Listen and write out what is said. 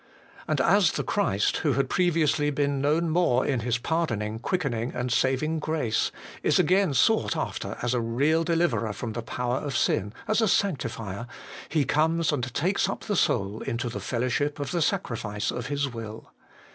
And as the Christ, who had previously been known more in His pardoning, quickening, and saving grace, is again sought after as a real deliverer from the power of sin, as a sanctifier, He comes and takes up the soul into the fellowship of the sacrifice of His will.